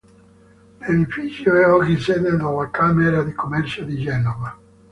L'edificio è oggi sede della Camera di Commercio di Genova.